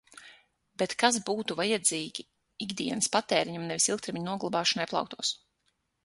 Bet kas būtu vajadzīgi ikdienas patēriņam, nevis ilgtermiņa noglabāšanai plauktos.